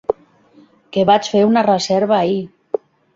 Que vaig fer un reserva ahir.